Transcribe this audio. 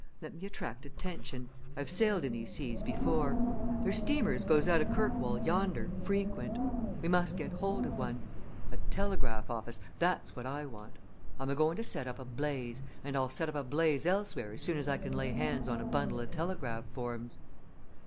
Let me attract attention. I've sailed in these seas before. There's steamers goes out of Kirkwall yonder frequent we must get hold of one. A telegraph office! that's what I want. I'm a going to set up a blaze and I'll set up a blaze elsewhere as soon as I can lay hands on a bundle o' telegraph forms!"